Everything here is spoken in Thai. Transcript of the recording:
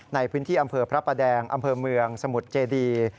ในพื้นที่อำเภอพระประแดงอำเภอเมืองสมุทรเจดี